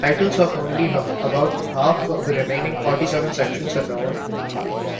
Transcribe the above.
The titles of only about half the remaining forty-seven sections are known.